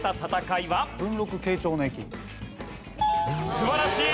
素晴らしい！